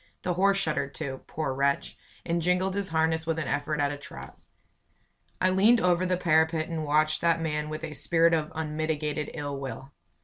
The horse shuddered too, poor wretch, and jingled his harness with an effort at a trot. I leaned over the parapet and watched that man with a spirit of unmitigated ill will.